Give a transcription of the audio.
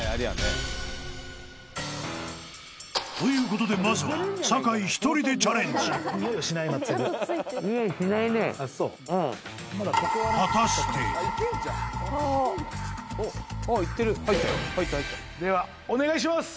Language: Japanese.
［ということでまずは坂井１人でチャレンジ］ではお願いします。